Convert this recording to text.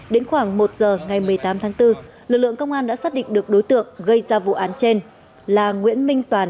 đến khoảng một giờ ngày một mươi tám tháng bốn lực lượng công an đã xác định được đối tượng gây ra vụ án trên là nguyễn minh toàn